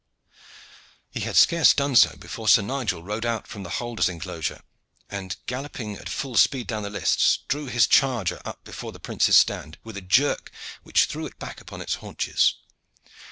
He had scarce done so before Sir Nigel rode out from the holders' enclosure, and galloping at full speed down the lists, drew his charger up before the prince's stand with a jerk which threw it back upon its haunches.